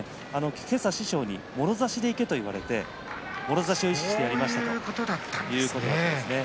今朝、師匠にもろ差しでいけと言われてもろ差しを意識したということなんです。